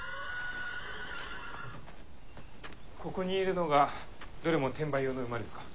ここにいるのがどれも転売用の馬ですか？